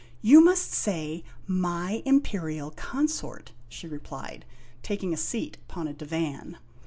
"You must say, 'my Imperial Consort,' ' she replied, taking a seat upon a divan.